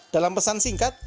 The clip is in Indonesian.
dalam pesan singkat